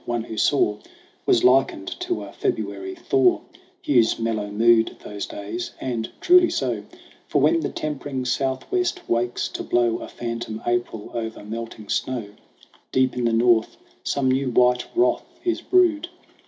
One who saw Has likened to a February thaw Hugh's mellow mood those days ; and truly so, For when the tempering Southwest wakes to blow A phantom April over melting snow, Deep in the North some new white wrath is brewed.